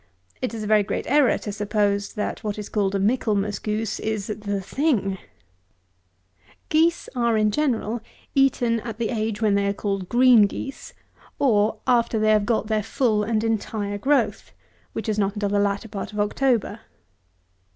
It is a very great error to suppose that what is called a Michaelmas goose is the thing. Geese are, in general, eaten at the age when they are called green geese; or after they have got their full and entire growth, which is not until the latter part of October.